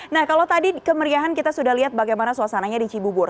nah kalau tadi kemeriahan kita sudah lihat bagaimana suasananya di cibubur